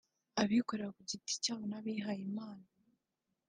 abikorera ku giti cyabo n’abihaye Imana